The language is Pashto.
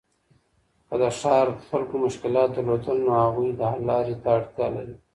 که د ښار خلګو مشکلات درلودل، نو هغوی د حل لاري ته اړتیا لري.